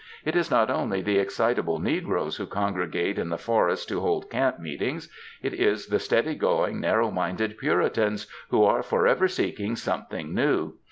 It is not only the excitable negroes who congi*egate AMERICAN WOMEN 247 in the forests to hold ^^camp meetings,^ it is the steady going, narrow minded Puritans who are ^^ forever seeking something new.